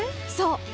そう！